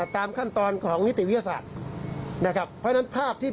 ตามขั้นตอนของนิติวิทยาศาสตร์